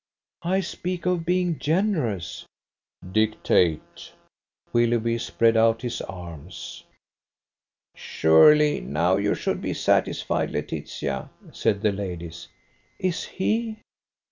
"I speak of being generous." "Dictate." Willoughby spread out his arms. "Surely now you should be satisfied, Laetitia?" said the ladies. "Is he?"